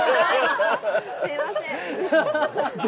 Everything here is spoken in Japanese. すいません。